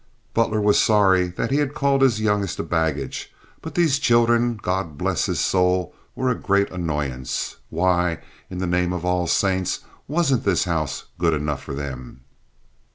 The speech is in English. Butler was sorry that he had called his youngest a baggage; but these children—God bless his soul—were a great annoyance. Why, in the name of all the saints, wasn't this house good enough for them?